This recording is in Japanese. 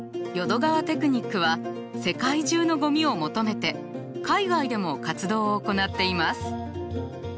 淀川テクニックは世界中のゴミを求めて海外でも活動を行っています。